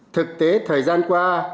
thực tế thời gian qua